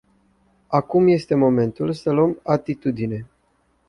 Acum este momentul să luăm atitudine.